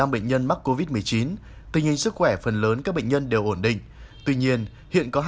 năm bệnh nhân mắc covid một mươi chín tình hình sức khỏe phần lớn các bệnh nhân đều ổn định tuy nhiên hiện có